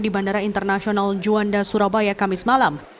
di bandara internasional juanda surabaya kamis malam